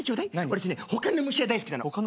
私ね他の虫は大好きなの。